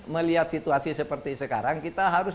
melihat situasi seperti sekarang kita harus